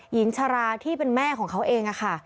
หญิงชราที่เป็นแม่ของเขาเองค่ะ